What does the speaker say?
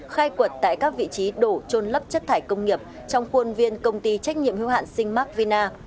khai quật tại các vị trí đổ trôn lấp chất thải công nghiệp trong khuôn viên công ty trách nhiệm hưu hạn sinh mac vina